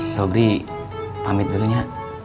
sobri pamit dulu ya